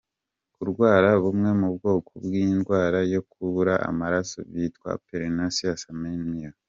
Kurwara bumwe mu kwoko bw’indwara yo kubura amaraso bwitwa Pernicious amemia;.